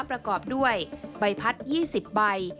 ประกอบด้วยใบพัด๒๐ใบ